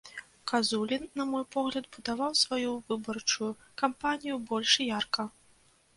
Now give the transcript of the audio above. Казулін, на мой погляд, будаваў сваю выбарчую кампанію больш ярка.